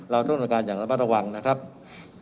เราต้องบริการอย่างระมัดระวังนะครับ